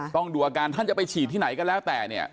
ต้องดูอาการท่านจะไปฉีดที่ไหนก็แล้วแต่เนี่ย